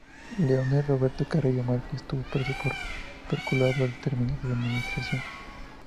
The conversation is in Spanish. Leonel Roberto Carrillo Márquez, estuvo preso por peculado al terminar su administración.